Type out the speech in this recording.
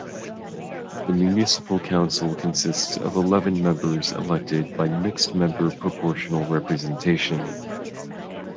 The municipal council consists of eleven members elected by mixed-member proportional representation.